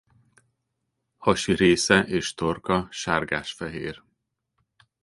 Hasi része és torka sárgásfehér.